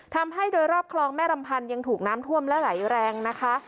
ทำให้โดยรอบคลองแม่ลำพันธ์ยังถูกน้ำท่วมและไหลแรงนะคะ